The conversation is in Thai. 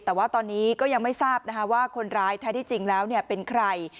แต่ว่าตอนนี้ก็ยังไม่ทราบว่าคนร้ายแท้ที่จริงแล้วเป็นใคร